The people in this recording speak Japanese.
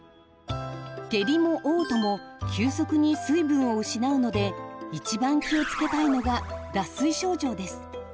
下痢もおう吐も急速に水分を失うので一番気をつけたいのが脱水症状です。